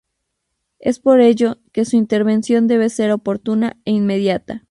Es por ello, que su intervención debe ser oportuna e inmediata.